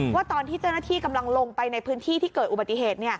ว่าตอนที่เจ้าหน้าที่กำลังลงไปในพื้นที่ที่เกิดอุบัติเหตุ